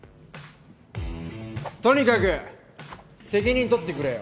とにかく責任とってくれよ。